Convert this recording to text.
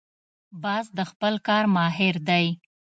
باز د خپل کار ماهر دی